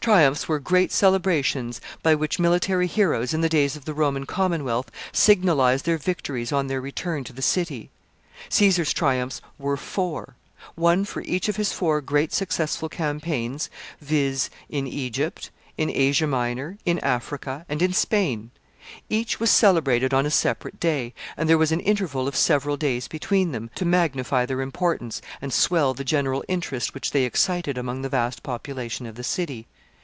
Triumphs were great celebrations, by which military heroes in the days of the Roman commonwealth signalized their victories on their return to the city Caesar's triumphs were four, one for each of his four great successful campaigns, viz., in Egypt, in Asia Minor, in Africa, and in Spain. Each was celebrated on a separate day, and there was an interval of several days between them, to magnify their importance, and swell the general interest which they excited among the vast population of the city.